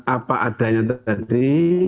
apa adanya tadi